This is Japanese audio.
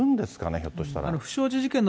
ひょっとしたら。